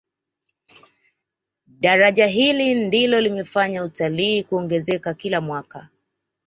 daraja hili ndilo limefanya utalii kuongezeka kila mwaka